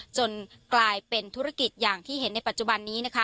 จนกลายเป็นธุรกิจอย่างที่เห็นในปัจจุบันนี้นะคะ